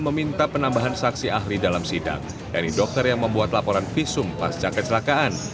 meminta penambahan saksi ahli dalam sidang dari dokter yang membuat laporan visum pasca kecelakaan